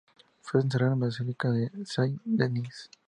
Fue enterrada en la Basílica de Saint Denis.